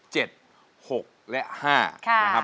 เจ็ดหกและห้า